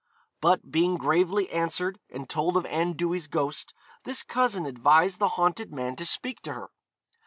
But being gravely answered, and told of Anne Dewy's ghost, this cousin advised the haunted man to speak to her.